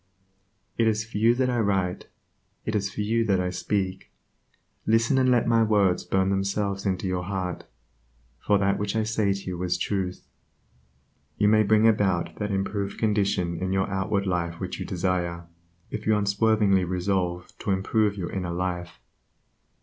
It is for you that I write; it is to you that I speak. Listen, and let my words burn themselves into your heart, for that which I say to you is truth: You may bring about that improved condition in your outward life which you desire, if you will unswervingly resolve to improve your inner life.